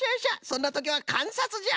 そんなときはかんさつじゃ！